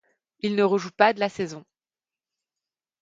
Il ne rejoue pas de la saison.